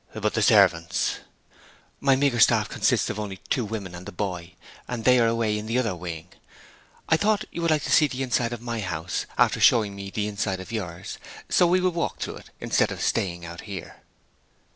'But the servants?' 'My meagre staff consists of only two women and the boy; and they are away in the other wing. I thought you would like to see the inside of my house, after showing me the inside of yours. So we will walk through it instead of staying out here.'